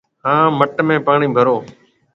هان مٽ ۾ پاڻِي ڀرو